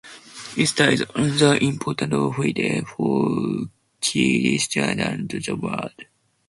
Easter is another important holiday for Christians around the world.